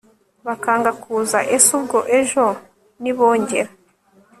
bakanga kuza! ese ubwo ejo nibongera